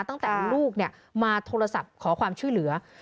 ตั้งแต่ลูกมาโทรศัพท์ขอความช่วยเหลือ